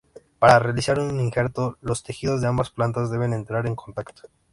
Para realizar un injerto, los tejidos de ambas plantas deben entrar en contacto.